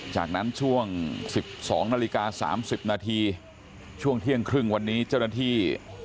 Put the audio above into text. จากนั้นช่วง๑๒นาฬิกา๓๐นาทีช่วงเที่ยงครึ่งวันนี้เจ้าหน้าที่